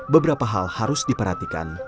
beberapa hal harus diperhatikan